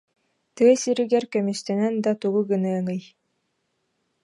Тыа сиригэр көмүстэнэн да тугу гыныаҥый